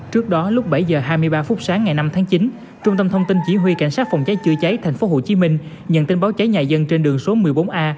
trước đó lúc bảy h hai mươi ba phút sáng ngày năm tháng chín trung tâm thông tin chỉ huy cảnh sát phòng cháy chữa cháy tp hcm nhận tin báo cháy nhà dân trên đường số một mươi bốn a